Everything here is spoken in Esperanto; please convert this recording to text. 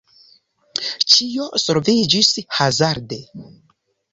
Ĉio solviĝis hazarde.